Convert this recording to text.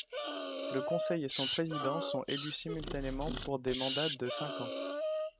Le Conseil et son président sont élu simultanément pour des mandats de cinq ans.